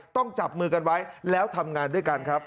ต้องจับมือกันไว้แล้วทำงานด้วยกันครับ